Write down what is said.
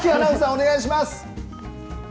お願いします。